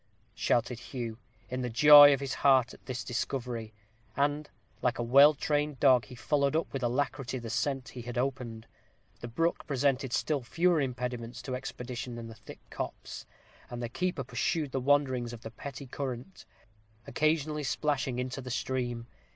shouted Hugh, in the joy of his heart at this discovery; and, like a well trained dog, he followed up with alacrity the scent he had opened. The brook presented still fewer impediments to expedition than the thick copse, and the keeper pursued the wanderings of the petty current, occasionally splashing into the stream.